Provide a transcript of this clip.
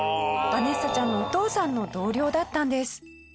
ヴァネッサちゃんのお父さんの同僚だったんです。